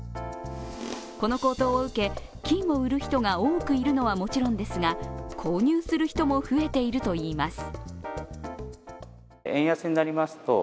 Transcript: この高騰を受け、金を売る人が多くいるのはもちろんですが購入する人も増えているといいます。